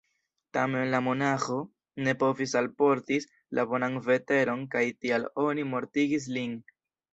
Tamen la monaĥo ne povis alportis la bonan veteron kaj tial oni mortigis lin.